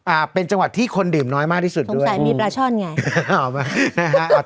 อ่าเป็นจังหวัดที่คนดื่มน้อยมากที่สุดด้วยใส่มีปลาช่อนไงนะฮะ